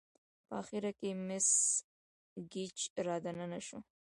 په اخره کې مس ګېج را دننه شوه.